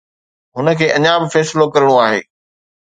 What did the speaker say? هن کي اڃا به فيصلو ڪرڻو آهي.